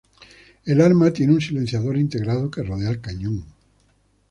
El arma tiene un silenciador integrado que rodea al cañón.